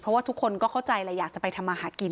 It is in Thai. เพราะว่าทุกคนก็เข้าใจแหละอยากจะไปทำมาหากิน